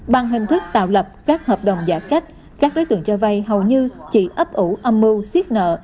bằng hình thức tạo lập các hợp đồng giả cách các đối tượng cho vay hầu như chỉ ấp ủ âm mưu xiết nợ